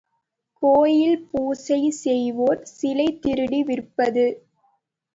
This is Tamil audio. கோயில் பூசை செய்வோர் சிலை திருடி விற்பது!